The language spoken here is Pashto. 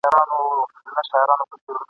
نجوني باید په پوهنتونونو کي هم شاملي سي.